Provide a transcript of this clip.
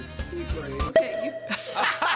ハハハハ！